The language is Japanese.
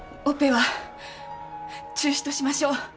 オペは中止としましょう。